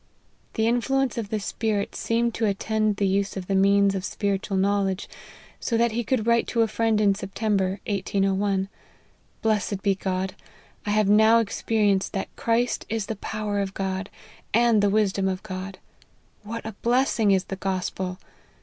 The influence of the Spirit seemed to at tend the use of the means of spiritual knowledge, so that he could write to a friend in September 1801, " blessed be God, I have now experienced that Christ is the power of God, and the wisdom of God. What a blessing is the gospel